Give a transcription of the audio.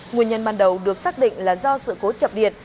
nguyên nhân ban đầu được xác định là do sự cố chập điện